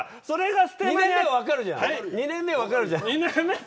２年目は分かるじゃん。